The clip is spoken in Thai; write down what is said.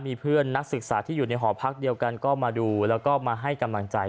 มีเพื่อนนักศึกษาที่อยู่ในหอพักเดียวกันก็มาดูแล้วก็มาให้กำลังใจ